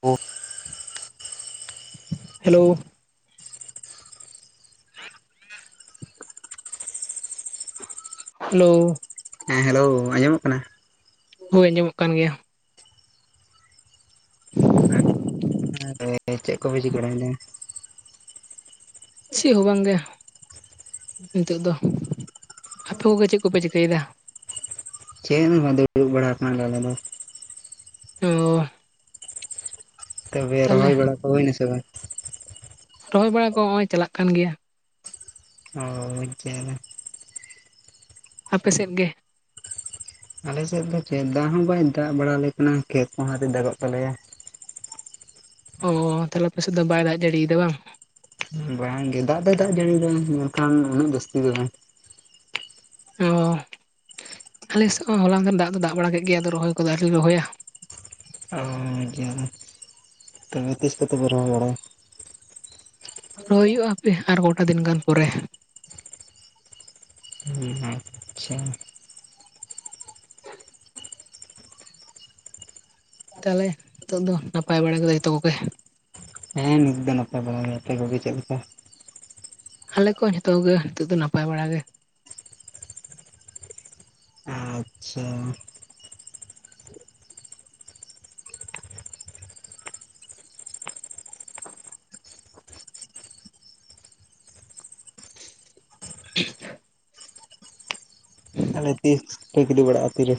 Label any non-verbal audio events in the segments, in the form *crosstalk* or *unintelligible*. ᱯᱩ hello, hello, ᱦᱮᱸ hello ᱟᱸᱡᱚᱢᱚᱜ ᱠᱟᱱᱟ? ᱦᱳᱭ ᱟᱸᱡᱚᱢᱚᱜ ᱠᱟᱱ ᱜᱮᱭᱟ᱾ *unintelligible* ᱪᱮᱫ ᱠᱚᱵᱤᱱ ᱪᱤᱠᱟᱹ ᱵᱟᱲᱟᱭᱮᱫᱟ? ᱪᱮᱫ ᱦᱚᱸ ᱵᱟᱝ ᱜᱮ ᱱᱤᱛᱚᱜ ᱫᱚ ᱟᱯᱮ ᱠᱚᱜᱮ ᱪᱮᱫ ᱠᱚᱯᱮ ᱪᱤᱠᱟᱹᱭᱮᱫᱟ? ᱪᱮᱫ ᱦᱚ ᱵᱟᱝ ᱫᱩᱲᱩᱵ ᱵᱟᱲᱟ ᱟᱠᱟᱱᱟᱞᱮ ᱟᱞᱮ ᱫᱚ᱾ ᱚ, ᱛᱚᱵᱮ ᱛᱟᱦᱚᱞᱮ ᱨᱚᱦᱚᱭ ᱵᱟᱲᱟ ᱠᱚ ᱦᱩᱭᱱᱟ ᱥᱮ ᱵᱟᱝ? ᱨᱚᱦᱚᱭ ᱵᱟᱲᱟ ᱠᱚ ᱱᱚᱜ ᱚᱭ ᱪᱟᱞᱟᱜ ᱠᱟᱱ ᱜᱮᱭᱟ᱾ ᱚ ᱡᱟᱞᱟ᱾ ᱟᱯᱮᱥᱮᱫ ᱜᱮ? ᱟᱞᱮᱥᱮᱫ ᱫᱚ ᱪᱮᱫ ᱫᱟᱜ ᱦᱚᱸ ᱵᱟᱭ ᱫᱟᱜ ᱵᱟᱲᱟ ᱟᱞᱮ ᱠᱟᱱᱟ ᱠᱮᱠ ᱠᱚᱦᱚ ᱟᱹᱣᱨᱤ ᱫᱟᱜᱚᱜ ᱛᱟᱞᱮᱭᱟ᱾ ᱚ ᱛᱟᱦᱚᱞᱮ ᱟᱯᱮᱥᱮᱫ ᱫᱚ ᱵᱟᱭ ᱫᱟᱜ ᱡᱟᱹᱲᱤᱭᱮᱫᱟ ᱵᱟᱝ? ᱵᱟᱝ ᱜᱮ ᱫᱟᱜ ᱫᱚ ᱫᱟᱜ ᱡᱟᱹᱲᱤ ᱫᱚ ᱢᱮᱱᱠᱷᱟᱱ ᱩᱱᱟᱹᱜ ᱡᱟᱹᱥᱛᱤ ᱫᱚ ᱵᱟᱝ᱾ ᱚ, ᱟᱞᱮᱥᱮᱫ ᱦᱚᱸ ᱦᱚᱞᱟ ᱢᱟᱫᱷᱮᱨ ᱫᱟᱜ ᱫᱚ ᱫᱟᱜ ᱵᱟᱲᱟ ᱠᱮᱫ ᱜᱮ ᱟᱫᱚ ᱨᱚᱦᱚᱭ ᱠᱚᱫᱚ ᱟᱹᱣᱨᱤᱞᱮ ᱨᱚᱦᱚᱭᱟ᱾ ᱚ ᱡᱟᱞᱟ, ᱛᱚᱵᱮ ᱛᱤᱥ ᱠᱚᱛᱮᱯᱮ ᱨᱚᱦᱚᱭ ᱵᱟᱲᱟᱭᱟ? ᱨᱚᱭ ᱦᱩᱭᱩᱜᱼᱟ ᱦᱟᱯᱮ ᱟᱨ ᱜᱚᱴᱟ ᱫᱤᱱ ᱜᱟᱱ ᱯᱚᱨᱮ᱾ ᱦᱮᱸ ᱦᱮᱸ, ᱟᱪᱪᱷᱟ, ᱛᱟᱦᱚᱞᱮ ᱱᱤᱛᱚᱜ ᱫᱚ ᱱᱟᱯᱟᱭ ᱵᱟᱲᱟ ᱠᱚ ᱡᱚᱛᱚ ᱠᱚᱜᱮ? ᱦᱮᱸ ᱱᱤᱛ ᱫᱚ ᱱᱟᱯᱟᱭ ᱵᱟᱲᱟ ᱜᱮ ᱟᱯᱮ ᱠᱚᱜᱮ ᱪᱮᱫ ᱞᱮᱠᱟ? ᱟᱞᱮ ᱠᱚ ᱡᱷᱚᱛᱚ ᱠᱚᱜᱮ ᱱᱤᱛᱚᱜ ᱫᱚ ᱱᱟᱯᱟᱭ ᱵᱟᱲᱟᱜ ᱜᱮ᱾ ᱟᱪᱪᱷᱟ, *inaudible* *inaudible* ᱟᱞᱮ ᱛᱤᱥ *unintelligible* ᱵᱟᱲᱟᱜᱼᱟ ᱛᱤᱨᱮ᱾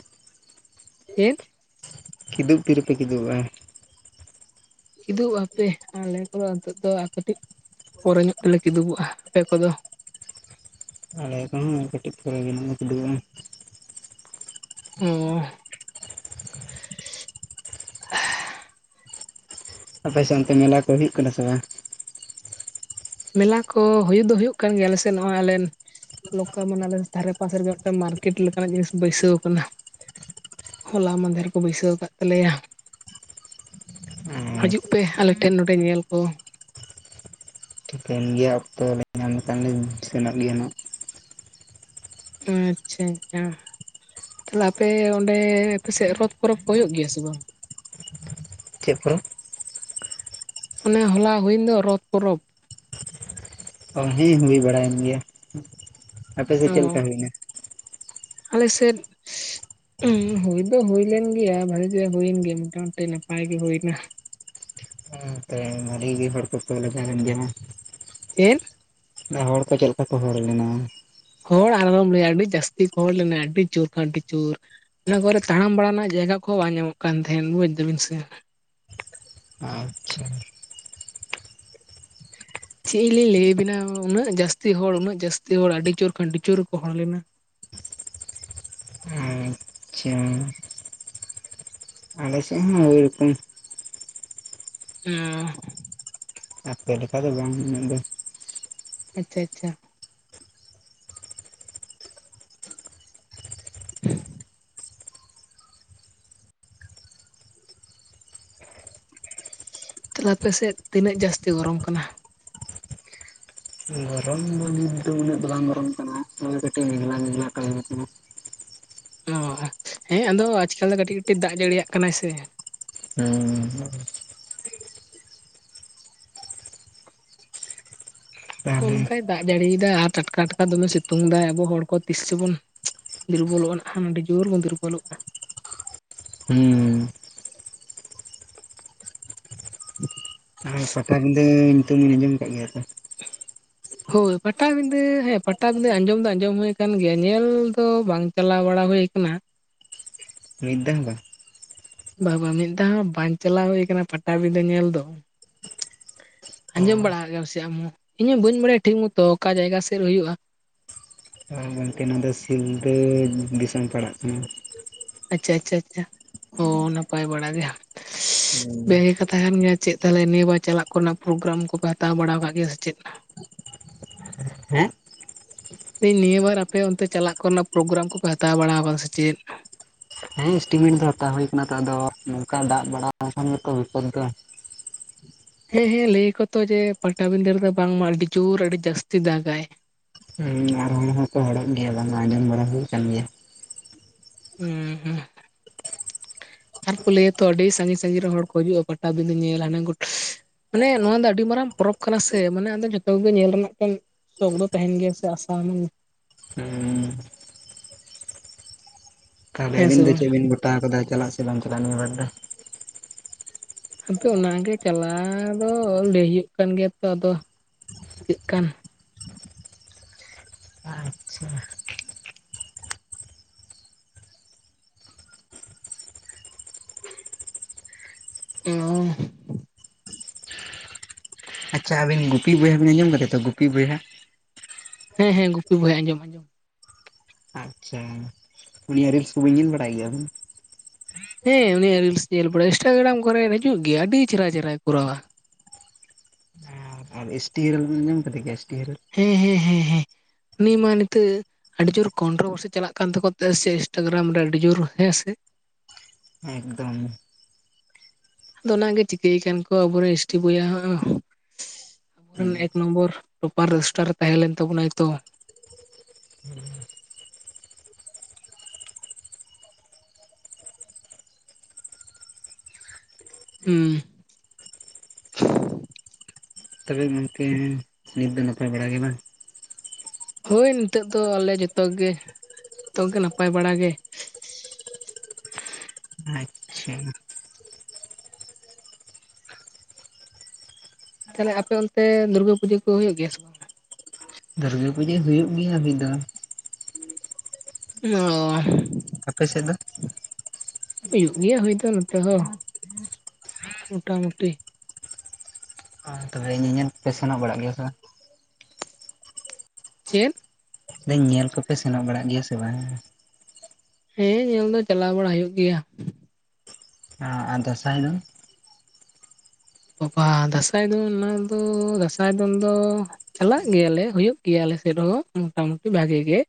*inaudible* ᱠᱤᱫᱩᱵ ᱛᱤᱨᱮ ᱯᱮ ᱠᱤᱫᱩᱵᱚᱜᱼᱟ? ᱠᱤᱫᱩᱵ ᱦᱟᱯᱮ ᱟᱞᱮ ᱠᱚᱫᱚ ᱱᱤᱛᱚᱜ ᱫᱚ ᱠᱟᱹᱴᱤᱡ ᱯᱚᱨᱮ ᱧᱚᱜ ᱛᱮᱞᱮ ᱠᱤᱫᱩᱵᱚᱜᱼᱟ, ᱟᱯᱮ ᱠᱚᱫᱚ? ᱟᱞᱮ ᱠᱟᱦᱚᱸ᱾ ᱟᱨ ᱠᱟᱹᱴᱤᱡ ᱯᱟᱨᱮ ᱜᱮ ᱱᱟᱦᱟᱜ ᱞᱮ ᱠᱤᱫᱩᱵᱚᱜᱼᱟ᱾ ᱚᱸ ᱟᱯᱮ ᱥᱮᱜ ᱚᱱᱛᱮ ᱢᱮᱞᱟ ᱠᱚ ᱦᱩᱭᱩᱜ ᱠᱟᱱᱟ ᱥᱮ ᱵᱟᱝ? ᱢᱮᱞᱟ ᱠᱚ ᱦᱩᱭᱩᱜ ᱫᱚ ᱦᱩᱭᱩᱜ ᱠᱟᱱ ᱜᱮᱭᱟ ᱟᱞᱮᱥᱮᱱ ᱱᱚᱜᱼᱚᱭ ᱟᱞᱮᱱ ᱞᱚᱠᱟ ᱢᱟᱱᱮ ᱟᱞᱮ ᱫᱷᱟᱨᱮ ᱯᱟᱥᱮ ᱨᱮᱜᱮ ᱢᱤᱫᱴᱮᱝ ᱢᱟᱨᱠᱮᱰ ᱞᱮᱠᱟᱱᱟᱜ ᱡᱤᱱᱤᱥ ᱵᱟᱹᱭᱥᱟᱹᱣ ᱠᱟᱱᱟ᱾ ᱦᱚᱞᱟ ᱢᱟᱸᱫᱷᱮᱨ ᱠᱚ ᱵᱟᱹᱭᱥᱟᱹᱣ ᱠᱟᱫ ᱛᱟᱞᱮᱭᱟ᱾ ᱟᱨ ᱦᱟᱹᱡᱩᱜ ᱯᱮ ᱟᱞᱮᱴᱷᱮᱱ ᱱᱚᱸᱰᱮ ᱧᱮᱞ ᱠᱚ᱾ ᱴᱷᱤᱠᱟᱹᱱ ᱜᱮᱭᱟ ᱚᱠᱛᱚ ᱞᱮ ᱧᱟᱢ ᱞᱮᱠᱷᱟᱱ ᱞᱮ ᱥᱮᱱᱚᱜ ᱜᱮᱭᱟ ᱱᱟᱜ᱾ ᱟᱪᱪᱷᱟ ᱟᱪᱪᱷᱟ ᱛᱟᱦᱞᱮ ᱟᱯᱮ ᱚᱸᱰᱮ ᱟᱯᱮᱥᱮᱜ ᱨᱚᱛ ᱯᱚᱨᱚᱵᱽ ᱠᱚ ᱦᱩᱭᱩᱜ ᱜᱮᱭᱟ ᱥᱮ ᱵᱟᱝ? ᱪᱮᱜ ᱯᱚᱨᱚᱵᱽ? ᱚᱱᱮ ᱦᱚᱞᱟ ᱦᱩᱭᱮᱱ ᱫᱚ ᱨᱚᱛ ᱯᱚᱨᱚᱵᱽ᱾ ᱚ ᱦᱮᱸ ᱦᱩᱭ ᱵᱟᱲᱟᱭᱮᱱ ᱜᱮᱭᱟ, ᱟᱯᱮᱥᱮᱜ ᱪᱮᱜ ᱞᱮᱠᱟ ᱦᱩᱭᱱᱟ? ᱟᱞᱮ ᱥᱮᱫ ᱩᱸ ᱦᱩᱭ ᱫᱚ ᱦᱩᱭ ᱞᱮᱱ ᱜᱮᱭᱟ ᱵᱷᱟᱜᱤ ᱜᱮ ᱦᱩᱭᱮᱱ ᱜᱮᱭᱟ ᱢᱚᱴᱟ ᱢᱩᱴᱤ ᱱᱟᱯᱟᱭ ᱜᱮ ᱦᱩᱭᱱᱟ᱾ *unintelligible* ᱟᱹᱰᱤᱜ ᱜᱮ ᱦᱚᱲ ᱠᱚᱠᱚ ᱞᱟᱜᱟᱣ ᱞᱮᱱ *unintelligible* ᱪᱮᱫ? ᱦᱚᱲ ᱠᱚ ᱪᱮᱫ ᱞᱮᱠᱟ ᱠᱚ ᱦᱚᱲ ᱞᱮᱱᱟ? ᱦᱚᱲ ᱟᱨᱦᱚᱢ ᱞᱟᱹᱭᱟ ᱟᱹᱰᱤ ᱡᱟᱹᱥᱛᱤ ᱠᱚ ᱦᱚᱲ ᱞᱮᱱᱟ ᱟᱹᱰᱤ ᱡᱳᱨ ᱠᱷᱟ ᱟᱹᱰᱤ ᱡᱳᱨ᱾ ᱚᱱᱟ ᱠᱚᱚᱨᱮ ᱛᱟᱲᱟᱢ ᱵᱟᱲᱟ ᱨᱮᱱᱟᱜ ᱡᱟᱭᱜᱟ ᱠᱚᱦᱚᱸ ᱵᱟᱝ ᱧᱟᱢᱚᱜ ᱠᱟᱱ ᱛᱟᱦᱮᱱ ᱵᱩᱡᱽ ᱫᱟᱵᱤᱱ ᱥᱮ᱾ ᱟᱪᱪᱷᱟ ᱪᱮᱜ ᱞᱤᱧ ᱞᱟᱹᱭ ᱟᱵᱤᱱᱟ ᱩᱱᱟᱹᱜ ᱡᱟᱹᱥᱛᱤ ᱦᱚᱲ ᱩᱱᱟᱹᱜ ᱡᱟᱹᱥᱛᱤ ᱦᱚᱲ ᱟᱹᱰᱤ ᱡᱳᱨ ᱠᱷᱚᱱ ᱟᱹᱰᱤ ᱡᱳᱨ ᱠᱚ ᱦᱚᱲ ᱞᱮᱱᱟ᱾ ᱟᱪᱪᱷᱟ ᱟᱞᱮ ᱥᱮᱜ ᱦᱚᱸ ᱳᱭ ᱨᱚᱠᱚᱢ ᱚᱸ ᱟᱯᱮ ᱞᱮᱠᱟ ᱫᱚ ᱵᱟᱝ ᱩᱱᱟᱹᱜ ᱫᱚ᱾ ᱟᱪᱪᱷᱟ ᱟᱪᱪᱷᱟ *inaudible* ᱛᱟᱦᱞᱮ ᱟᱯᱮᱥᱮᱫ ᱛᱤᱱᱟᱹᱜ ᱡᱟᱹᱥᱛᱤ ᱜᱚᱨᱚᱢ ᱠᱟᱱᱟ? ᱜᱚᱨᱚᱢ ᱫᱚ ᱱᱤᱛ ᱫᱚ ᱩᱱᱟᱹᱜ ᱫᱚ ᱵᱟᱝ ᱜᱚᱨᱚᱢ ᱠᱟᱱᱟ, ᱱᱚᱜᱼᱚᱭ ᱠᱟᱹᱴᱤᱡ ᱢᱮᱜᱷᱞᱟ ᱢᱮᱜᱷᱞᱟ ᱴᱟᱭᱤᱯ *unintelligible* ᱚ ᱟᱪ ᱦᱮᱸ ᱟᱫᱚ ᱟᱡᱽᱠᱟᱞ ᱫᱚ ᱠᱟᱹᱴᱤᱡ ᱠᱟᱹᱴᱤᱡ ᱫᱟᱜ ᱡᱟᱹᱲᱤᱭᱟᱜ ᱠᱟᱱᱟᱭ ᱥᱮ᱾ ᱦᱩᱸ ᱛᱟᱦᱚᱞᱮ ᱚᱱᱠᱟᱭ ᱫᱟᱜ ᱡᱟᱹᱲᱤᱭᱫᱟ ᱟᱨ ᱴᱟᱴᱠᱟ ᱴᱟᱴᱠᱟ ᱫᱚᱢᱮ ᱥᱤᱛᱩᱝ ᱫᱟᱭ ᱟᱵᱚ ᱦᱚᱲ ᱠᱚ ᱛᱤᱥ ᱪᱚᱵᱚᱱ ᱫᱩᱨᱵᱚᱞᱚᱜᱼᱟ ᱱᱟᱜ ᱠᱷᱟᱱ ᱟᱹᱰᱤ ᱡᱳᱨ ᱵᱚᱱ ᱫᱩᱨᱵᱚᱞᱚᱜᱼᱟ ᱾ ᱦᱩᱸ *inaudible* ᱟᱨ ᱯᱟᱴᱟ ᱵᱤᱫᱟᱹ ᱧᱩᱛᱩᱢᱮᱢ ᱟᱸᱡᱚᱢ ᱟᱠᱟᱜ ᱜᱮᱭᱟ? *inaudible* ᱦᱳᱭ ᱯᱟᱴᱟᱵᱤᱫᱟᱹ ᱦᱮᱸ ᱯᱟᱴᱟᱵᱤᱫᱟᱹ ᱟᱸᱡᱚᱢ ᱫᱚ ᱟᱸᱡᱚᱢ ᱦᱳᱭ ᱟᱠᱟᱱ ᱜᱮᱭᱟ ᱧᱮᱞ ᱫᱚ ᱵᱟᱝ ᱪᱟᱞᱟᱣ ᱵᱟᱲᱟ ᱦᱳᱭ ᱟᱠᱟᱱᱟ᱾ ᱢᱤᱫ ᱫᱷᱟ ᱦᱚᱸ ᱵᱟᱝ ᱵᱟ ᱵᱟ ᱢᱤᱫ ᱫᱷᱟᱣ ᱦᱚᱸ ᱵᱟᱧ ᱪᱟᱞᱟᱣ ᱦᱩᱭ ᱠᱟᱱᱟ ᱯᱟᱴᱟᱵᱤᱰᱟᱹ ᱧᱮᱞ ᱫᱚ ᱚ ᱟᱹᱡᱚᱢ ᱵᱟᱲᱟ ᱜᱮᱭᱟᱢ ᱥᱮ ᱟᱢ ᱤᱧ ᱦᱚᱸ ᱵᱟᱹᱧ ᱵᱟᱲᱟᱭᱟ ᱴᱷᱤᱠ ᱢᱚᱛᱚ ᱚᱠᱟ ᱡᱟᱭᱜᱟ ᱥᱮᱜ ᱨᱮ ᱦᱩᱭᱩᱜᱼᱟ᱾ ᱜᱚᱝᱠᱮ ᱱᱚᱣᱟ ᱫᱚ ᱥᱤᱞᱫᱟᱹ ᱫᱤᱥᱚᱢ ᱯᱟᱲᱟᱜ ᱠᱟᱱᱟ᱾ ᱟᱪᱪᱷᱟ ᱟᱪᱪᱷᱟ ᱟᱪᱪᱷᱟ ᱚ ᱱᱟᱯᱟᱭ ᱵᱟᱲᱟ ᱜᱮ᱾ ᱵᱮᱜᱮ ᱠᱟᱛᱷᱟ ᱠᱟᱱ ᱜᱮᱭᱟ ᱪᱮᱫ ᱛᱟᱦᱚᱞᱮ ᱱᱤᱭᱟᱹ ᱵᱟᱨ ᱪᱟᱞᱟᱜ ᱠᱚᱨᱮᱱᱟᱜ ᱯᱨᱳᱜᱨᱟᱢ ᱠᱚᱯᱮ ᱦᱟᱛᱟᱣ ᱵᱟᱲᱟᱣ ᱟᱠᱟᱜ ᱜᱮᱭᱟ ᱥᱮ ᱪᱮᱫ? ᱦᱮᱸ ᱱᱤᱭᱟᱹ ᱵᱟᱨ ᱟᱯᱮ ᱚᱱᱛᱮ ᱪᱟᱞᱟᱜ ᱠᱚᱨᱮᱱᱟᱜ ᱯᱨᱳᱜᱨᱟᱢ ᱠᱚᱯᱮ ᱦᱟᱛᱟᱣ ᱵᱟᱲᱟᱣ ᱟᱠᱟᱜ ᱥᱮ ᱪᱮᱫ? ᱦᱮᱸ ᱤᱥᱴᱤᱢᱤᱱ ᱫᱚ ᱦᱟᱛᱟᱣ ᱦᱳᱭ ᱠᱟᱱᱟ ᱦᱟᱛᱟᱣ ᱫᱚ ᱱᱚᱝᱠᱟ ᱫᱟᱜ ᱵᱟᱲᱟ ᱠᱷᱟᱱ ᱜᱮᱛᱚ ᱵᱤᱯᱚᱛ ᱫᱚ᱾ ᱦᱮᱸ ᱦᱮᱸ ᱞᱟᱹᱭᱟᱠᱚ ᱛᱚ ᱡᱮ ᱯᱟᱴᱟᱵᱤᱸᱫᱟᱹ ᱨᱮᱫᱚ ᱵᱟᱝᱢᱟ ᱟᱹᱰᱤ ᱡᱩᱨ ᱟᱹᱰᱤ ᱡᱟᱹᱥᱛᱤ ᱫᱟᱜᱟᱭ᱾ ᱦᱩᱸ ᱟᱨ ᱦᱚᱲ ᱦᱚᱸᱠᱚ ᱦᱚᱲᱚᱜ ᱜᱮᱭᱟ ᱵᱟᱝᱢᱟ ᱟᱸᱡᱚᱢ ᱵᱟᱲᱟ ᱦᱩᱭ ᱠᱟᱱ ᱜᱮᱭᱟ᱾ ᱦᱩᱸ ᱩᱸᱦᱜ ᱟᱨ ᱠᱚ ᱞᱟᱹᱭᱟᱛᱚ ᱟᱹᱰᱤ ᱥᱟᱹᱜᱤᱧ ᱥᱟᱹᱜᱤᱧ ᱨᱮᱱ ᱦᱚᱲ ᱠᱚ ᱦᱤᱡᱩᱜᱼᱟ ᱯᱟᱴᱟᱵᱤᱫᱟᱹ ᱧᱮᱞ ᱦᱟᱱᱮ ᱜᱚᱴᱟ ᱢᱟᱱᱮ ᱱᱚᱣᱟ ᱫᱚ ᱟᱹᱰᱤ ᱢᱟᱨᱟᱝ ᱯᱚᱨᱚᱵᱽ ᱠᱟᱱᱟ ᱥᱮ ᱢᱟᱱᱮ ᱟᱫᱚ ᱡᱚᱛᱚ ᱜᱮ ᱧᱮᱞ ᱨᱮᱱᱟᱜ ᱠᱟᱱ ᱥᱚᱠ ᱫᱚ ᱛᱟᱦᱮᱱ ᱜᱮᱭᱟ ᱥᱮ ᱟᱥᱟᱢ ᱦᱚᱸ ᱦᱩᱸ ᱛᱟᱦᱚᱞᱮ ᱦᱮᱸ ᱥᱮ ᱟᱵᱤᱱ ᱫᱚ ᱵᱟᱝ ᱪᱮᱜ ᱵᱤᱱ ᱜᱚᱴᱟᱣ ᱠᱟᱫᱟ ᱪᱟᱞᱟᱜ ᱥᱮ ᱵᱟᱝ ᱪᱟᱞᱟᱜ ᱱᱤᱭᱟᱹ ᱵᱟᱨ ᱫᱚ ᱟᱫᱚ ᱚᱱᱟ ᱜᱮ ᱪᱟᱞᱟᱣ ᱫᱚ ᱞᱟᱹᱭ ᱦᱩᱭᱩᱜ ᱠᱟᱱ ᱜᱮᱭᱟ ᱛᱚ ᱟᱫᱚ ᱪᱤᱜ ᱠᱟᱱ *inaudible* ᱚ ᱟᱪᱪᱷᱟ ᱟᱹᱵᱤᱱ ᱯᱤ ᱵᱚᱭᱦᱟᱵᱤᱱ ᱟᱸᱡᱚᱢ ᱠᱟᱫᱟ ᱛᱚᱸ ᱜᱚᱯᱤ ᱵᱚᱭᱦᱟ? ᱦᱮᱸ ᱦᱮᱸ ᱜᱩᱯᱤ ᱵᱚᱭᱦᱟ ᱟᱸᱡᱚᱢ ᱠᱟᱫᱤᱧ᱾ ᱟᱪᱪᱷᱟ ᱩᱱᱤᱭᱟᱜ ᱨᱤᱞᱥ ᱠᱚᱵᱤᱱ ᱧᱮᱞ ᱵᱟᱲᱟᱭ ᱜᱮᱭᱟᱵ ᱟᱵᱤᱱ? ᱦᱮᱸ ᱩᱱᱤᱭᱟᱜ ᱨᱤᱞᱥ ᱧᱮᱞ ᱵᱟᱲᱟᱭ ᱤᱱᱥᱴᱟᱜᱨᱟᱢ ᱠᱚᱨᱮ ᱨᱮ ᱦᱤᱡᱩᱜ ᱜᱮᱭᱟ ᱟᱹᱰᱤ ᱪᱮᱦᱨᱟ ᱪᱮᱦᱨᱟᱭ ᱠᱚᱨᱟᱣᱟ᱾ ᱟᱨ ᱮᱥ ᱴᱤ ᱦᱮᱨᱮᱞ *unintelligible* ᱜᱮᱭᱟ ᱮᱥ ᱴᱤ ᱦᱮᱨᱮᱞ? ᱦᱮᱸ ᱦᱮᱸ ᱦᱮᱸ ᱦᱮᱸ ᱩᱱᱤ ᱢᱟ ᱱᱤᱛᱚᱜ ᱟᱹᱰᱤ ᱡᱳᱨ ᱠᱚᱱᱴᱨᱚ ᱵᱷᱟᱨᱥᱤ ᱪᱟᱞᱟᱜ ᱠᱟᱱ ᱛᱟᱠᱚᱣᱟ ᱛᱮ ᱥᱮ ᱤᱱᱥᱴᱟᱜᱨᱟᱢ ᱨᱮ ᱟᱹᱰᱤ ᱡᱩᱨ ᱦᱮᱸ ᱥᱮ ᱮᱠᱫᱚᱢ᱾ ᱟᱫᱚ ᱚᱱᱟᱜᱮ ᱪᱤᱠᱟᱹᱭ ᱠᱟᱱ ᱠᱚ ᱟᱵᱚᱨᱮᱱ ᱮᱥᱴᱤ ᱵᱚᱭᱦᱟ ᱦᱚᱸ ᱦᱟᱜ ᱦᱚᱸ ᱢᱟᱱᱮ ᱮᱠ ᱱᱚᱢᱵᱚᱨ ᱴᱚᱯᱟᱨ ᱨᱚᱥᱴᱟᱨ ᱮ ᱛᱟᱦᱮᱸ ᱞᱮᱱ ᱛᱟᱵᱚᱱᱟᱭ ᱛᱚ᱾ ᱦᱩᱸ᱾ ᱛᱚᱵᱮ ᱜᱚᱢᱠᱮ ᱱᱤᱛ ᱫᱚ ᱱᱟᱯᱟᱭ ᱵᱟᱲᱟ ᱜᱮ ᱵᱟᱝ? ᱦᱳᱭ ᱱᱤᱛᱚᱜ ᱫᱚ ᱟᱞᱮ ᱡᱚᱛᱚ ᱜᱮ ᱛᱚᱜᱮ ᱱᱟᱯᱟᱭ ᱵᱟᱲᱟ ᱜᱮ᱾ ᱟᱪᱪᱷᱟ ᱛᱟᱦᱚᱞᱮ ᱦᱟᱯᱮ ᱚᱱᱛᱮ ᱫᱩᱨᱜᱟᱹ ᱯᱩᱡᱟᱹ ᱠᱚ ᱦᱩᱭᱩᱜ ᱜᱮᱭᱟ ᱥᱮ ᱫᱩᱨᱜᱟᱹ ᱯᱩᱡᱟᱹ ᱦᱩᱭᱩᱜ ᱜᱮᱭᱟ ᱢᱤᱫ ᱫᱚ᱾ ᱚᱦ᱾ ᱟᱯᱮ ᱥᱮᱜ ᱫᱚ? ᱦᱩᱭᱩᱜ ᱜᱮᱭᱟ ᱦᱩᱭ ᱫᱚ ᱱᱚᱛᱮ ᱦᱚᱸ ᱢᱚᱴᱟᱢᱩᱴᱤ᱾ *inaudible* ᱧᱮᱞ ᱯᱮ ᱥᱮᱱᱚᱜ ᱵᱟᱲᱟᱜ ᱜᱮᱭᱟ ᱥᱮ? ᱪᱮᱫ? ᱦᱩᱸ, ᱧᱮᱞ ᱠᱚᱯᱮ ᱥᱮᱱᱚᱜ ᱵᱟᱲᱟᱜ ᱜᱮᱭᱟ ᱥᱮ ᱵᱟᱝ? ᱦᱮᱸ ᱧᱮᱞ ᱫᱚ ᱪᱟᱞᱟᱣ ᱵᱟᱲᱟ ᱦᱩᱭᱩᱜ ᱜᱮᱭᱟ᱾ ᱟᱨ ᱫᱟᱸᱥᱟᱭ ᱫᱚ? ᱵᱟᱵᱟ! ᱫᱟᱸᱥᱟᱭ ᱫᱚ ᱚᱱᱟ ᱫᱚ ᱫᱟᱸᱥᱟᱭ ᱫᱚᱱ ᱫᱚᱼᱼ ᱪᱟᱞᱟᱜ ᱜᱮᱭᱟᱞᱮ, ᱦᱩᱭᱩᱜ ᱜᱮᱭᱟ ᱟᱞᱮ ᱥᱮᱫ ᱦᱚᱸ ᱢᱳᱚᱴᱟᱢᱩᱴᱤ ᱵᱷᱟᱜᱤ ᱜᱮ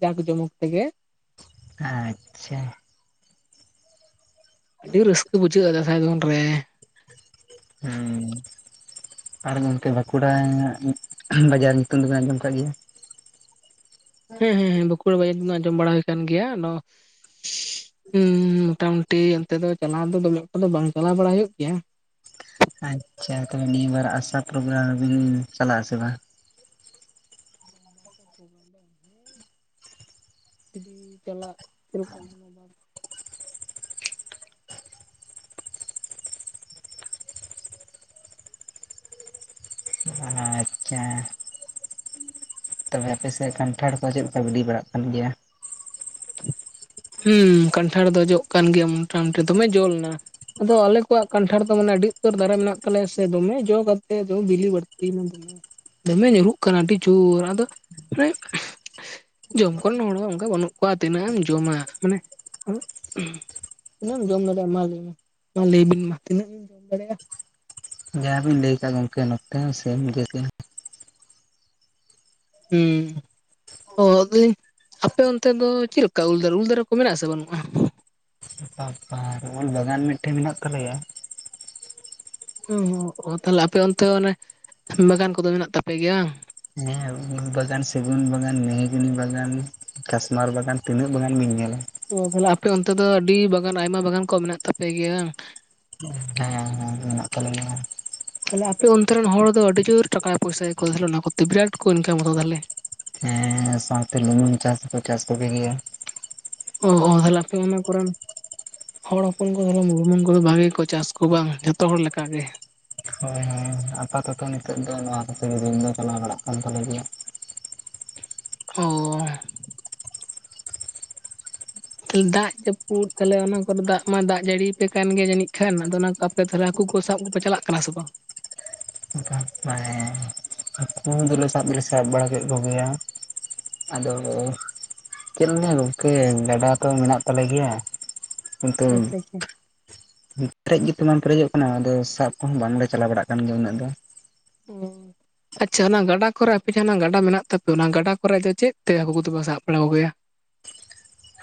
ᱡᱟᱠ ᱡᱚᱢᱚᱠ ᱛᱮᱜᱮ᱾ ᱟᱪᱪᱷᱟ᱾ ᱟᱹᱰᱤ ᱨᱟᱹᱥᱠᱟᱹ ᱵᱩᱡᱷᱟᱹᱜ-ᱟ ᱫᱟᱸᱥᱟᱭ ᱫᱚᱱ ᱨᱮ᱾ ᱦᱮᱸᱻ ᱟᱨ ᱜᱚᱝᱠᱮ ᱵᱟᱸᱠᱩᱲᱟ ᱵᱟᱡᱟᱨ ᱧᱩᱛᱩᱢ ᱫᱚᱵᱤᱱ ᱟᱸᱡᱚᱢ ᱟᱠᱟᱫ ᱜᱮᱭᱟ? ᱦᱮᱸ ᱦᱮᱸ ᱦᱮᱸ ᱵᱟᱸᱠᱩᱲᱟ ᱵᱟᱡᱟᱨ ᱫᱚ ᱟᱸᱡᱚᱢ ᱵᱟᱲᱟ ᱦᱩᱭ ᱠᱟᱱ ᱜᱮᱭᱟ᱾ ᱟᱫᱚ ᱦᱩᱸᱻ ᱢᱚᱴᱟ ᱢᱩᱩᱴᱤ ᱚᱱᱛᱮ ᱫᱚ ᱪᱟᱞᱟᱣ ᱫᱚ ᱫᱚᱢᱮ ᱮᱠᱚᱴᱟ ᱫᱚ ᱵᱟᱝ ᱪᱟᱞᱟᱣ ᱵᱟᱲᱟ ᱦᱩᱭᱩᱜ ᱜᱮᱭᱟ᱾ ᱟᱪᱪᱷᱟ ᱛᱚᱵᱮ ᱱᱤᱭᱟᱹ ᱵᱟᱨ ᱟᱥᱟ ᱯᱨᱳᱜᱨᱟᱢ ᱨᱮ ᱵᱤᱱ ᱪᱟᱞᱟᱜ-ᱟ ᱥᱮ ᱵᱟᱝ? ᱛᱚ, ᱵᱟᱝ ᱫᱚ ᱡᱩᱫᱤ ᱪᱟᱞᱟᱜ ᱯᱨᱳᱜᱨᱟᱢ *unintelligible* *unintelligible* ᱪᱟᱻ ᱛᱚᱵᱮ ᱟᱯᱮᱥᱮ ᱠᱟᱱᱴᱷᱟᱲ ᱠᱚ ᱪᱮᱫ ᱞᱮᱠᱟ ᱵᱤᱞᱤ ᱵᱟᱲᱟᱜ ᱠᱟᱱ ᱜᱮᱭᱟ? ᱦᱩᱸ ᱠᱟᱱᱴᱷᱟᱲ ᱫᱚ ᱡᱚᱜ ᱠᱟᱱ ᱜᱮᱭᱟ ᱢᱚᱴᱟ ᱢᱩᱩᱴᱤ ᱫᱚᱢᱮ ᱡᱚ ᱞᱮᱱᱟ᱾ ᱟᱫᱚ ᱟᱞᱮ ᱠᱚᱣᱟᱜ ᱠᱟᱱᱴᱷᱟᱲ ᱫᱚ ᱢᱟᱱᱮ ᱟᱹᱰᱤ ᱩᱛᱟᱹᱨ ᱫᱟᱨᱮ ᱢᱮᱱᱟᱜ ᱛᱟᱞᱮᱭᱟ ᱥᱮ ᱫᱚᱢᱮ ᱡᱚ ᱠᱟᱛᱮ ᱫᱚ ᱵᱤᱞᱤ ᱵᱟᱹᱲᱛᱤᱭᱮᱱᱟ ᱫᱚᱢᱮ᱾ ᱫᱚᱢᱮ ᱧᱩᱨᱩᱜ ᱠᱟᱱᱟ ᱟᱹᱰᱤ ᱡᱳᱨ ᱟᱫᱚ ᱩᱸᱜ ᱡᱚᱢ ᱠᱚᱨᱮᱱ ᱦᱚᱲ ᱚᱱᱠᱟ ᱵᱟᱹᱱᱩᱜ ᱠᱚᱣᱟ ᱛᱤᱱᱟᱹᱜ ᱮᱢ ᱡᱚᱢᱟ *unintelligible* ᱛᱤᱱᱟᱹᱜ ᱮᱢ ᱡᱚᱢ ᱫᱟᱲᱮᱭᱟᱜ-ᱟ, ᱚᱱᱟᱜᱮᱛᱤᱱᱟᱹᱜ ᱤᱢ ᱡᱚᱢ ᱫᱟᱲᱮᱭᱟᱜ-ᱟ? ᱡᱟᱦᱟᱸ ᱵᱤᱱ ᱞᱟᱹᱭ ᱠᱟᱜ ᱜᱚᱝᱠᱮ ᱱᱚᱛᱮ ᱦᱚᱸ ᱥᱮᱢ ᱤᱱᱠᱟᱹᱜᱮ᱾ ᱦᱩᱸ᱾ ᱚᱻ ᱞᱟᱹᱭᱟᱹᱧ, ᱟᱯᱮ ᱚᱱᱛᱮ ᱫᱚ ᱪᱮᱫᱠᱟ ᱩᱞ ᱫᱟᱨᱮ, ᱩᱞ ᱫᱟᱨᱮ ᱠᱚ ᱢᱮᱱᱟᱜ-ᱟ ᱥᱮ ᱵᱟᱹᱱᱩᱜ-ᱟ? *unintelligible* ᱩᱞ ᱵᱟᱜᱟᱱ ᱢᱤᱫᱴᱮᱱ ᱢᱮᱱᱟᱜ ᱛᱟᱞᱮᱭᱟ᱾ ᱦᱩᱸ, ᱛᱟᱦᱞᱮ ᱟᱯᱮ ᱚᱱᱛᱮ ᱫᱚ ᱚᱱᱮ ᱩᱞ ᱵᱟᱜᱟᱱ ᱠᱚᱫᱚ ᱢᱮᱱᱟᱜ ᱛᱟᱯᱮ ᱜᱮᱭᱟ ᱵᱟᱝ? ᱦᱮᱸ ᱩᱞ ᱵᱟᱜᱟᱱ, ᱥᱮᱹᱜᱩᱱ ᱵᱟᱜᱟᱱ, ᱢᱤᱦᱤᱜᱤᱱᱤ ᱵᱟᱜᱟᱱ, ᱠᱟᱥᱢᱟᱨ ᱵᱟᱜᱟᱱ, ᱛᱤᱱᱟᱹᱜ ᱵᱟᱜᱟᱱ ᱵᱤᱱ ᱧᱮᱞᱟ? ᱚ, ᱛᱟᱦᱞᱮ ᱟᱯᱮ ᱚᱱᱛᱮ ᱫᱚ ᱟᱹᱰᱤ ᱵᱟᱜᱟᱱ ᱟᱭᱢᱟ ᱵᱟᱜᱟᱱ ᱠᱚ ᱢᱮᱱᱟᱜ ᱛᱟᱯᱮ ᱜᱮᱭᱟ? ᱦᱩᱸ, ᱦᱮᱸ ᱦᱮᱸ ᱢᱮᱱᱟᱜ ᱛᱟᱞᱮ ᱜᱮᱭᱟ᱾ ᱛᱟᱞᱦᱮ ᱟᱯᱮ ᱚᱱᱛᱮ ᱨᱮᱱ ᱦᱚᱲ ᱫᱚ ᱟᱹᱰᱤ ᱡᱳᱨ ᱴᱟᱠᱟ ᱯᱚᱭᱥᱟᱭᱟᱠᱚ ᱠᱚ ᱛᱟᱦᱞᱮ ᱚᱱᱟ ᱠᱚᱛᱮ, ᱵᱤᱨᱟᱴ ᱠᱚ ᱤᱱᱠᱟᱢᱟ ᱛᱚ ᱛᱟᱦᱞᱮ? ᱦᱮᱸ ᱥᱟᱶᱛᱮ ᱞᱩᱢᱟᱹᱝ ᱪᱟᱥ ᱦᱚᱸᱠᱚ ᱪᱟᱥ ᱠᱚᱜᱮ ᱜᱮᱭᱟ᱾ ᱚ ᱚ, ᱛᱟᱦᱞᱮ ᱟᱯᱮ ᱚᱱᱟ ᱠᱚᱨᱮᱱ ᱦᱚᱲ ᱦᱚᱯᱚᱱ ᱠᱚ ᱞᱩᱢᱟᱹᱝ ᱠᱚᱫᱚ ᱵᱷᱟᱜᱮ ᱠᱚ ᱪᱟᱥ ᱠᱚᱣᱟ ᱵᱟᱝ ᱡᱷᱚᱛᱚ ᱦᱚᱲ ᱞᱮᱠᱟᱜ ᱜᱮ? ᱦᱳᱭ ᱦᱳᱭ᱾ ᱟᱯᱟᱛᱚᱛᱚ ᱱᱤᱛᱳᱜ ᱫᱚ ᱱᱚᱣᱟ ᱠᱚᱛᱮ ᱜᱮ ᱫᱤᱱ ᱫᱚ ᱪᱟᱞᱟᱣ ᱵᱟᱲᱟᱜ ᱠᱟᱱ ᱛᱟᱞᱮ ᱜᱮᱭᱟ᱾ ᱦᱮᱸ᱾ ᱫᱟᱜ ᱡᱟᱹᱯᱩᱫ ᱛᱟᱦᱞᱮ ᱚᱱᱟ ᱠᱚᱨᱮ ᱫᱟᱜ ᱢᱟ ᱫᱟᱜ ᱡᱟᱹᱲᱤᱭᱟᱯᱮ ᱠᱟᱱ ᱜᱮ ᱡᱟᱹᱱᱤᱡ ᱠᱷᱟᱱ ᱟᱫᱚ ᱚᱱᱟ ᱠᱚ ᱠᱚ ᱛᱟᱦᱞᱮ ᱦᱟᱹᱠᱩ ᱠᱚ ᱥᱟᱵ ᱠᱚᱯᱮ ᱪᱟᱞᱟᱜ ᱠᱟᱱᱟ ᱥᱮ ᱵᱟᱝ? ᱵᱟᱯ ᱵᱟᱲᱟᱭᱟ᱾ ᱦᱟᱹᱠᱩ ᱫᱚᱞᱮ ᱥᱟᱵ ᱫᱚᱞᱮ ᱥᱟᱵ ᱵᱟᱲᱟ ᱠᱮᱫ ᱠᱚᱜᱮᱭᱟ, ᱟᱫᱚ ᱪᱮᱫ ᱞᱤᱧ ᱞᱟᱹᱭᱟ ᱜᱚᱝᱠᱮ ᱜᱟᱰᱟ ᱛᱚ ᱢᱮᱱᱟᱜ ᱛᱟᱞᱮ ᱜᱮᱭᱟ᱾ ᱠᱤᱱᱛᱩ ᱟᱪᱪᱷᱟ ᱟᱪᱪᱷᱟ᱾ ᱯᱮᱨᱮᱡ ᱜᱮᱛᱚ ᱵᱟᱝ ᱯᱮᱨᱮᱡᱚᱜ ᱠᱟᱱᱟ᱾ ᱟᱫᱚ ᱥᱟᱵ ᱠᱚᱦᱚᱸ ᱵᱟᱝᱞᱮ ᱪᱟᱞᱟᱣ ᱵᱟᱲᱟᱜ ᱠᱟᱱ ᱜᱮᱭᱟ ᱩᱱᱟᱹᱜ ᱫᱚ᱾ ᱩᱸ ᱟᱪᱪᱷᱟ ᱚᱱᱟ ᱜᱟᱰᱟ ᱠᱚᱨᱮ ᱟᱯᱮ ᱡᱟᱦᱟᱸ ᱱᱟ ᱜᱟᱰᱟ ᱢᱮᱱᱟᱜ ᱛᱟᱯᱮ ᱚᱱᱟ ᱜᱟᱰᱟ ᱠᱚᱨᱮᱡ ᱫᱚ ᱪᱮᱫ ᱛᱮ ᱦᱟᱹᱠᱩ ᱠᱚᱫᱚ ᱯᱮ ᱥᱟᱵ ᱵᱟᱲᱟ ᱠᱚᱜᱮᱭᱟ?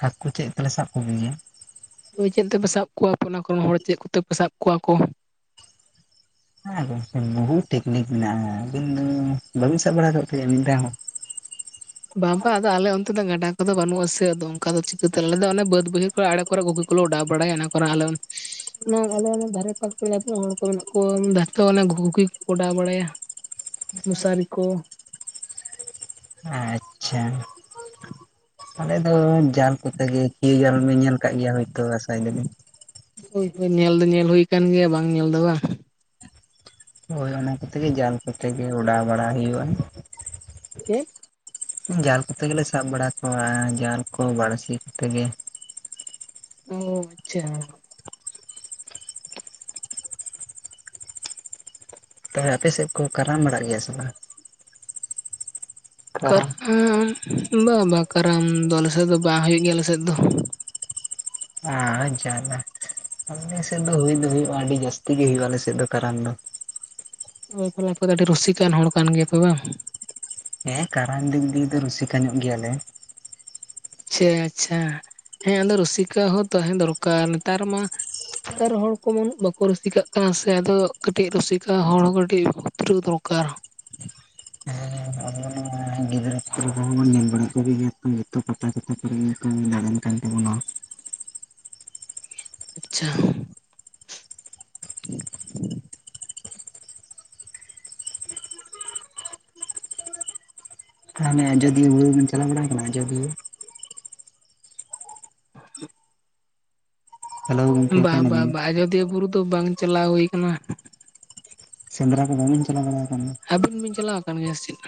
ᱦᱟᱹᱠᱩ ᱪᱮᱫ ᱛᱮᱞᱮ ᱥᱟᱵ ᱠᱚᱜᱮᱭᱟ? ᱦᱳᱭ ᱪᱮᱫ ᱛᱮᱯᱮ ᱥᱟᱵ ᱠᱚᱣᱟ ᱟᱯᱮ ᱚᱱᱟ ᱠᱚᱨᱮᱱ ᱦᱚᱲ ᱪᱮᱫ ᱠᱚᱛᱮ ᱯᱮ ᱥᱟᱵ ᱠᱚᱣᱟ ᱠᱚ? ᱦᱮᱸ ᱜᱚᱝᱠᱮ ᱵᱚᱦᱩ ᱴᱮᱠᱱᱤᱠ ᱢᱮᱱᱟᱜᱼᱟ, ᱟᱹᱵᱤᱱ ᱫᱚ ᱵᱟᱵᱤᱱ ᱥᱟᱵ ᱵᱟᱲᱟ ᱟᱠᱟᱫ ᱠᱚᱣᱟ ᱢᱤᱫ ᱫᱷᱟᱣ ᱦᱚᱸ? ᱵᱟᱝᱵᱟ ᱟᱫᱚ ᱟᱞᱮ ᱚᱱᱛᱮ ᱫᱚ ᱜᱟᱰᱟ ᱠᱚᱫᱚ ᱵᱟᱹᱱᱩᱜᱼᱟ ᱥᱮ ᱟᱫᱚ ᱚᱝᱠᱟ ᱫᱚ ᱪᱤᱠᱟᱹᱛᱮ ᱟᱞᱮ ᱫᱚ ᱚᱱᱮ ᱵᱟᱹᱫᱽ ᱵᱟᱹᱭᱦᱟᱹ ᱮᱲᱮ ᱠᱚᱨᱮ ᱜᱩᱸᱜᱤ ᱠᱚᱞᱮ ᱚᱰᱟᱣ ᱵᱟᱲᱟᱭᱟ ᱚᱱᱟ ᱠᱚᱨᱮ ᱟᱞᱮ ᱚᱱᱟ ᱟᱞᱮ ᱚᱱᱟ ᱫᱷᱟᱨᱮ ᱯᱟᱥᱮ ᱟᱛᱩ ᱨᱮᱱ ᱦᱚᱲ ᱠᱚ ᱢᱮᱱᱟᱜ ᱠᱚ ᱡᱷᱚᱛᱚ ᱜᱷᱩᱜᱤ ᱠᱚᱠᱚ ᱟᱰᱟᱣ ᱵᱟᱲᱟᱭᱟ᱾ ᱢᱚᱥᱟᱨᱤ ᱠᱚ᱾ ᱟᱪ ᱪᱷᱟ ᱟᱞᱮ ᱫᱚ ᱡᱟᱞ ᱠᱚᱛᱮ ᱜᱮ ᱠᱤᱭᱟᱹ ᱡᱟᱞ ᱵᱤᱱ ᱧᱮᱞ ᱠᱟᱜ ᱜᱮᱭᱟ ᱦᱳᱭᱛᱳ ᱟᱥᱟᱭ ᱫᱟᱞᱤᱧ᱾ ᱦᱳᱭ ᱦᱳᱭ ᱧᱮᱞ ᱫᱚ ᱧᱮᱞ ᱦᱩᱭ ᱠᱟᱱ ᱜᱮᱭᱟ ᱵᱟᱝ ᱧᱮᱞ ᱫᱚ ᱵᱟᱝ᱾ ᱦᱳᱭ ᱚᱱᱟ ᱠᱚᱛᱮ ᱜᱮ ᱡᱟᱞ ᱠᱚᱛᱮ ᱜᱮ ᱚᱰᱟᱣ ᱵᱟᱲᱟ ᱦᱩᱭᱩᱜᱼᱟ᱾ ᱪᱮᱫ? ᱡᱟᱞ ᱠᱚᱛᱮ ᱜᱮᱞᱮ ᱥᱟᱵ ᱵᱟᱲᱟ ᱠᱚᱣᱟ ᱡᱟᱞ ᱠᱚ ᱵᱟᱹᱲᱥᱤ ᱠᱚᱛᱮ ᱜᱮ᱾ ᱚ ᱟᱪᱪᱷᱟ᱾ ᱛᱚᱵᱮ ᱟᱯᱮ ᱥᱮᱜ ᱠᱚ ᱠᱟᱨᱟᱢ ᱵᱟᱲᱟᱜ ᱜᱮᱭᱟ ᱥᱮ ᱵᱟᱝ? ᱠᱟᱨᱟᱢ ᱵᱟ ᱵᱟᱝ ᱠᱟᱨᱟᱢ ᱫᱚ ᱟᱞᱮᱥᱮᱜ ᱫᱚ ᱵᱟᱝ ᱦᱩᱭᱩᱜ ᱜᱮᱭᱟ ᱟᱞᱮᱥᱮᱜ ᱫᱚ᱾ ᱟ ᱡᱟᱞᱟ᱾ ᱟᱞᱮᱥᱮᱜ ᱫᱚ ᱦᱩᱭ ᱫᱚ ᱦᱩᱭᱩᱜᱼᱟ ᱟᱹᱰᱤ ᱡᱟᱹᱥᱛᱤ ᱜᱮ ᱦᱩᱭᱩᱜᱼᱟ ᱟᱞᱮ ᱥᱮᱜ ᱫᱚ ᱠᱟᱨᱟᱢ ᱫᱚ᱾ ᱚᱭ ᱯᱟᱞᱮ ᱟᱯᱮ ᱫᱚ ᱟᱹᱰᱤ ᱨᱩᱥᱤᱠᱟᱱ ᱦᱚᱲ ᱠᱟᱱ ᱜᱮᱭᱟ ᱯᱮ ᱵᱟᱝ? ᱦᱮᱸ ᱠᱟᱨᱟᱢ ᱫᱤᱠ ᱫᱤᱭᱮ ᱫᱚ ᱨᱩᱥᱤᱠᱟ ᱧᱚᱜ ᱜᱮᱭᱟ ᱞᱮ᱾ ᱪᱷᱟ ᱪᱷᱟ ᱦᱮᱸ ᱟᱫᱚ ᱨᱩᱥᱤᱠᱟ ᱦᱚᱸ ᱛᱟᱦᱮᱸ ᱫᱚᱨᱠᱟᱨ ᱱᱮᱛᱟᱨ ᱢᱟ ᱱᱮᱛᱟᱨ ᱦᱚᱲ ᱠᱚᱢᱟ ᱩᱱᱟᱹᱜ ᱵᱟᱠᱚ ᱨᱩᱥᱤᱠᱟᱜ ᱠᱟᱱᱟ ᱥᱮ ᱟᱫᱚ ᱠᱟᱹᱴᱤᱡ ᱨᱩᱥᱤᱠᱟ ᱦᱚᱲ ᱠᱟᱹᱴᱤᱜ ᱩᱛᱨᱟᱹ ᱫᱚᱨᱠᱟᱨ᱾ *unintelligible* *unintelligible* *unintelligible* ᱠᱟᱱ ᱛᱟᱵᱩᱱᱟ᱾ ᱟᱪᱪᱷᱟ ᱚᱱᱮ ᱟᱡᱚᱫᱤᱭᱟᱹ ᱵᱩᱨᱩ ᱵᱤᱱ ᱪᱟᱞᱟᱣ ᱵᱟᱲᱟ ᱠᱟᱱᱟ ᱟᱡᱚᱫᱤᱭᱟᱹ? *inaudible* ᱦᱮᱞᱳ ᱜᱚᱝᱠᱮ ᱵᱟ ᱚᱠᱟᱭ ᱱᱟᱵᱤᱱ ᱵᱟᱝ ᱵᱟ ᱟᱡᱚᱫᱤᱭᱟᱹ ᱵᱩᱨᱩ ᱫᱚ ᱵᱟᱝ ᱪᱟᱞᱟᱣ ᱦᱩᱭ ᱠᱟᱱᱟ᱾ ᱥᱮᱸᱫᱽᱨᱟ ᱠᱚ ᱵᱟᱵᱤᱱ ᱪᱟᱞᱟᱣ ᱵᱟᱲᱟᱣ ᱠᱟᱱᱟ? ᱟᱹᱵᱤᱱ ᱵᱤᱱ ᱪᱟᱞᱟᱣ ᱠᱟᱱ ᱜᱮᱭᱟ ᱥᱮᱪᱮᱫ?